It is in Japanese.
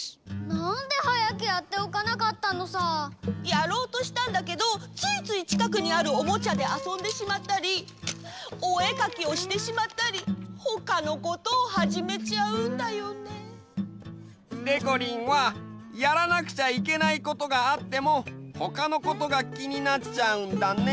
やろうとしたんだけどついついちかくにあるオモチャであそんでしまったりおえかきをしてしまったりほかのことをはじめちゃうんだよね。でこりんはやらなくちゃいけないことがあってもほかのことがきになっちゃうんだね。